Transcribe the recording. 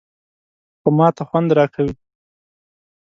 _خو ماته خوند راکوي.